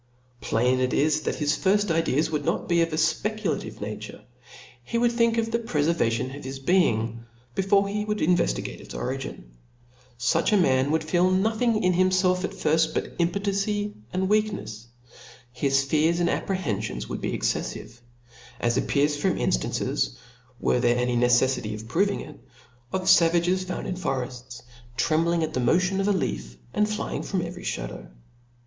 Plain it is that his firft ideas would pot be of a fpeculative nature ; he would think of the prefervation of his being, before jie would in veftigate its original. Such a man would feel no thing in himfelf at firft but impotency and weakr nefs 5 his fears and apprehenfions would be excef five; as appears from inftances (were there any neceffity of proving it) of favages found in forefts *, trembling at the motion of a leaf, and flying from every Ihadow.